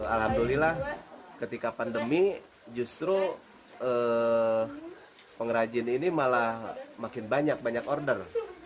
alhamdulillah ketika pandemi justru pengrajin ini malah makin banyak banyak order